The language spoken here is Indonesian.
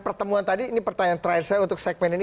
pertemuan tadi ini pertanyaan terakhir saya untuk segmen ini